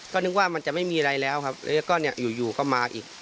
ก็นึกว่ามันจะไม่มีอะไรแล้วครับแล้วก็เนี่ยอยู่ก็มาอีก